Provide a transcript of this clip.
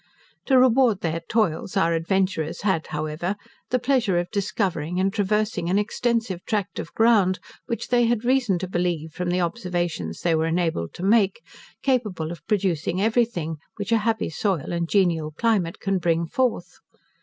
To reward their toils, our adventurers had, however, the pleasure of discovering and traversing an extensive tract of ground, which they had reason to believe, from the observations they were enabled to make, capable of producing every thing, which a happy soil and genial climate can bring forth.